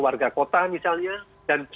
warga kota misalnya dan